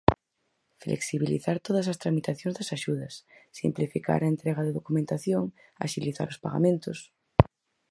Flexibilizar todas as tramitacións das axudas, simplificar a entrega de documentación, axilizar os pagamentos.